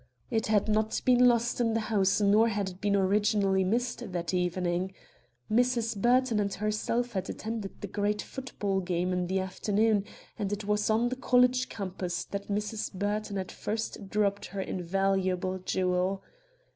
It had not been lost in the house nor had it been originally missed that evening. Mrs. Burton and herself had attended the great foot ball game in the afternoon, and it was on the college campus that Mrs. Burton had first dropped her invaluable jewel.